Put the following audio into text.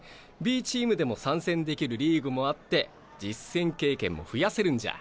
Ｂチームでも参戦できるリーグもあって実戦経験も増やせるんじゃ。